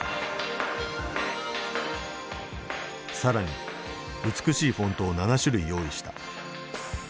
更に美しいフォントを７種類用意した。